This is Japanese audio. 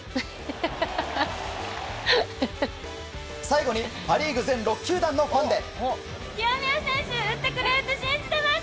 最後にパ・リーグ全６球団のファンで。